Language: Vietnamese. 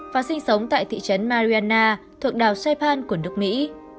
và sinh sống tại thị trấn mariana thuộc đảo saypan của nước mỹ